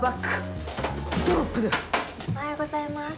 おはようございます。